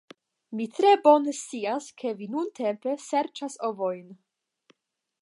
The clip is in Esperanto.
Mi tre bone scias ke vi nuntempe serĉas ovojn.